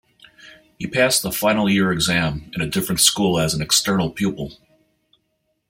He passed the final year exam in a different school as an external pupil.